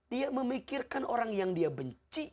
dia memikirkan orang yang dia benci